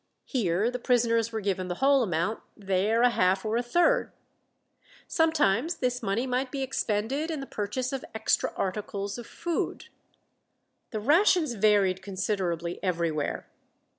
Here the prisoners were given the whole amount, there a half or a third. Sometimes this money might be expended in the purchase of extra articles of food. The rations varied considerably everywhere.